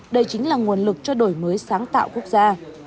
đây chính là nguồn lực cho đổi mới sáng tạo quốc gia